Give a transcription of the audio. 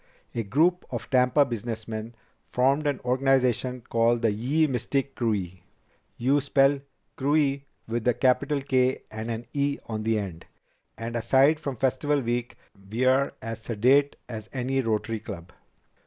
A group of Tampa businessmen formed an organization called Ye Mystic Krewe. You spell Krewe with a capital K and an e on the end. And aside from Festival Week, we're as sedate as any Rotary Club."